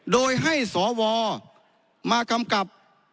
โดยให้สวมากำกับ